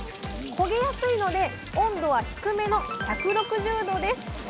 焦げやすいので温度は低めの１６０℃です